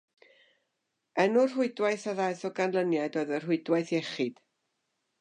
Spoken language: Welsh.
Enw'r rhwydwaith a ddaeth o ganlyniad oedd y Rhwydwaith Iechyd.